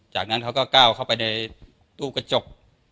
จากนั้นเขาก็ก้าวเข้าไปในตู้กระจก